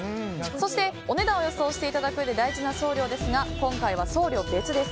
そして、お値段を予想していただくうえで大事な送料ですが、今回は送料別です。